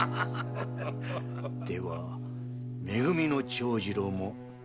ではめ組の長次郎も明日？